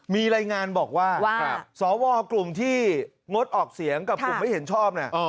มีรายงานบอกว่าสวกลุ่มที่งดออกเสียงกับกลุ่มไม่เห็นชอบ